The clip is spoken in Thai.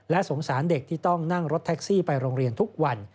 สงสารเด็กที่ต้องนั่งรถแท็กซี่ไปโรงเรียนทุกวัน